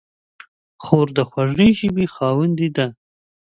خور د خوږې ژبې خاوندې ده.